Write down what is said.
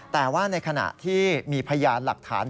แต่ว่าในขณะที่มีพยานหลักฐาน